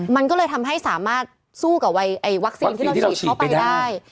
มันก็เลยทำให้สามารถสู้กับวัคซีนที่เราฉีดเข้าไปได้